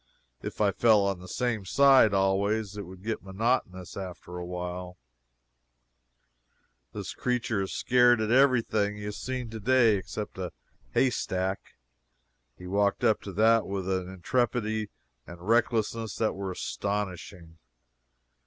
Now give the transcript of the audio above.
If I fell on the same side always, it would get to be monotonous after a while. This creature has scared at every thing he has seen to day, except a haystack. He walked up to that with an intrepidity and a recklessness that were astonishing.